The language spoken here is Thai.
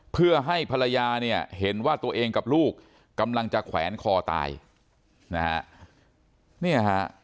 เพื่อให้ภรรยาเนี่ยเห็นว่าตัวเองกับลูกกำลังจะแขวนคอตายนะฮะเนี่ยฮะ